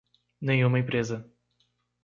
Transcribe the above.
Nenhuma empresa